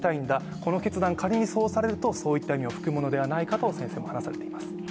こういう決断を取るとすると、そういった意味を含むのではないかと先生も話されています。